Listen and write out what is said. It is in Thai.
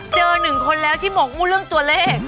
เจอหนึ่งคนแล้วที่โหมูลเรื่องตัวเลข